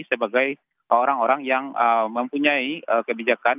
sebagai orang orang yang mempunyai kebijakan